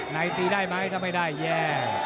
ตีได้ไหมถ้าไม่ได้แย่